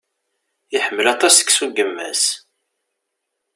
Iḥemmel aṭas seksu n yemma-s.